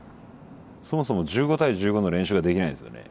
そもそも１５対１５の練習ができないんですよね。